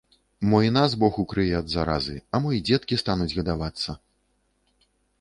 Мо і нас бог укрые ад заразы, а мо і дзеткі стануць гадавацца!